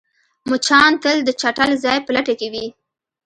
مچان تل د چټل ځای په لټه کې وي